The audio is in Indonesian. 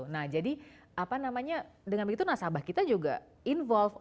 nah jadi apa namanya dengan begitu nasabah kita juga involve